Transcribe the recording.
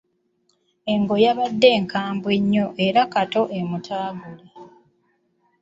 Engo yabadde nkambwe nnyo era kata omutabukire.